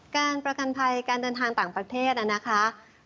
การประกันภัยการเดินทางต่างประเทศนะคะ